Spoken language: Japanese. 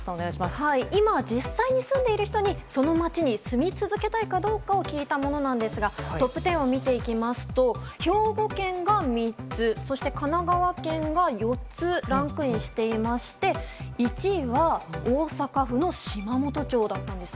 今、実際に住んでいる人にその街に住み続けたいかどうかを聞いたものなんですがトップ１０を見ていきますと兵庫県が３つ、神奈川県が４つランクインしていまして１位は大阪府の島本町だったんです。